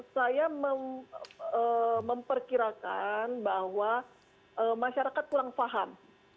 saya memperkirakan bahwa masyarakat kurang paham